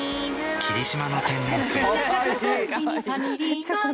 ［霧島の天然水］